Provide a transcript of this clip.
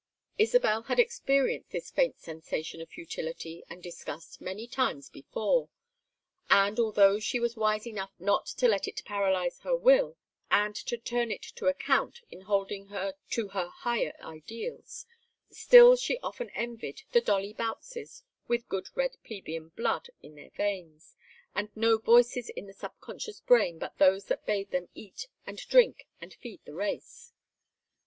Isabel had experienced this faint sensation of futility and disgust many times before, and although she was wise enough not to let it paralyze her will, and to turn it to account in holding her to her higher ideals, still she often envied the Dolly Bouttses, with good red plebeian blood in their veins, and no voices in the subconscious brain but those that bade them eat and drink and feed the race.